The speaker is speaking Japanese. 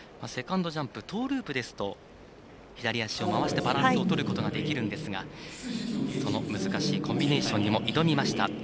セカンドジャンプトーループですと左足を回してバランスをとることができるんですがその難しいコンビネーションにも挑みました